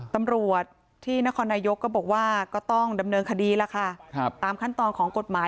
ตำรวจที่นครนายกก็บอกว่าก็ต้องดำเนินคดีล่ะค่ะตามขั้นตอนของกฎหมาย